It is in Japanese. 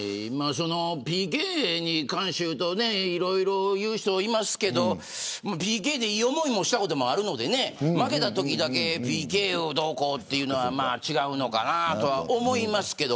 ＰＫに関して言うといろいろ言う人いますけどＰＫでいい思いをしたこともあるので負けたときだけＰＫをどうこうというのは違うのかなと思いますけど。